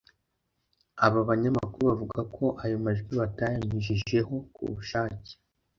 Aba banyamakuru bavuga ko ayo majwi batayanyujijeho ku bushake